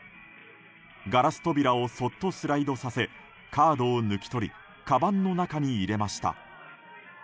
ガラス扉をそっとスライドさせカードを抜き取りかばんの中に入れました。